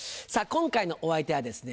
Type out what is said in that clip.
今回のお相手はですね